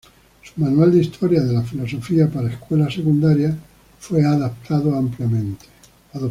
Su manual de historia de la filosofía para escuelas secundarias fue adoptado ampliamente.